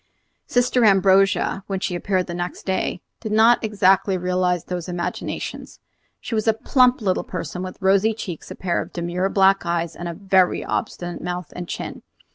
Sister Ambrogia, when she appeared next day, did not exactly realize these imaginations. She was a plump little person, with rosy cheeks, a pair of demure black eyes, and a very obstinate mouth and chin.